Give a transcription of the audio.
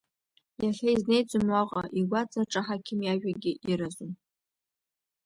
Иахьа изнеиӡом уаҟа игәаҵаҿ аҳақьым иажәагьы, иразу.